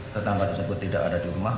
tetangga tersebut tidak ada di rumah